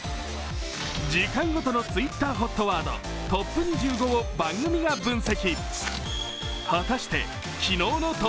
時間ごとのＴｗｉｔｔｅｒホットワードトップ２５を番組が分析。